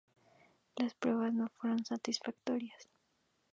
Las pruebas no fueron satisfactorias.